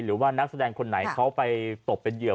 หรือว่านักแสดงคนไหนเขาไปตกเป็นเหยื่อ